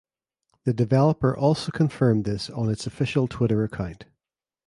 The developer also confirmed this on its official Twitter account.